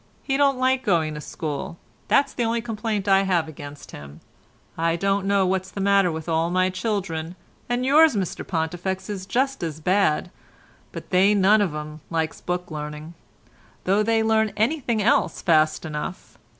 He don't like going to school, that's the only complaint I have against him. I don't know what's the matter with all my children, and yours, Mr Pontifex, is just as bad, but they none of 'em likes book learning, though they learn anything else fast enough.